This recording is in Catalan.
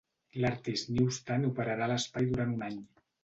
L'Artist Newsstand operarà a l'espai durant un any.